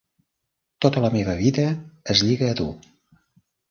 Tota la meva vida es lliga a tu.